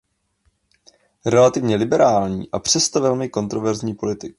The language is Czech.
Relativně liberální a přesto velmi kontroverzní politik.